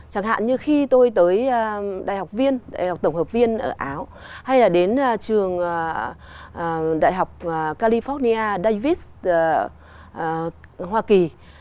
chẳng hạn như khi tôi tới đại học viên đại học tổng hợp viên ở áo hay là đến trường đại học california davis hoa kỳ